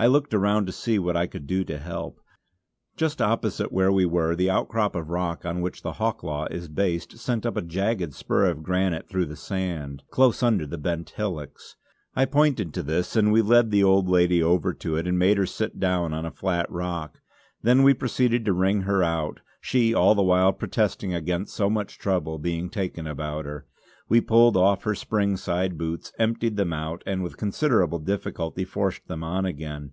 I looked around to see what I could do to help. Just opposite, where we were the outcrop of rock on which the Hawklaw is based sent up a jagged spur of granite through the sand, close under the bent covered hillocks. I pointed to this and we led the old lady over to it and made her sit down on a flat rock. Then we proceeded to wring her out, she all the while protesting against so much trouble being taken about her. We pulled off her spring side boots, emptied them out and, with considerable difficulty, forced them on again.